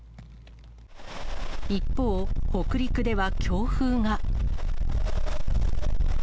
一方、北陸では強風が。